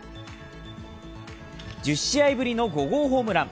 １０試合ぶりの５号ホームラン。